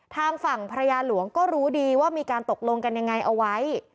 ทางฝั่งภรรยาหลวงก็รู้ดีว่ามีการตกลงกันยังไงเอาไว้